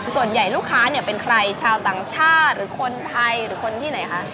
ส่วนใหญ่ลูกค้าเนี่ยเป็นใครชาวต่างชาติหรือคนไทยหรือคนที่ไหนคะ